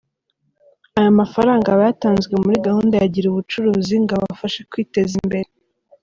Ayo mafaranga aba yatanzwe muri gahunda ya ‘Gira ubucuruzi’ ngo abafashe kwiteza imbere.